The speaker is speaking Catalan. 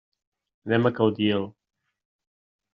Anem a Caudiel.